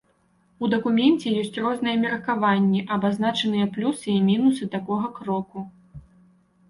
У дакуменце ёсць розныя меркаванні, абазначаныя плюсы і мінусы такога кроку.